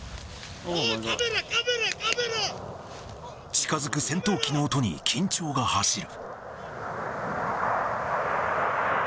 近づく戦闘機の音に緊張が走る。